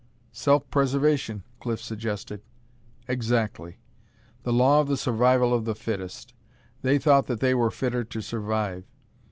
"Self preservation," Cliff suggested. "Exactly. The law of the survival of the fittest. They thought that they were fitter to survive.